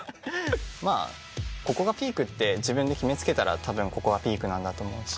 まあここがピークって自分で決め付けたらたぶんここがピークなんだと思うし。